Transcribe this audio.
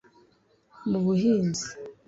mu buhinzi